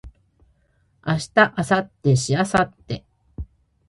明日明後日しあさって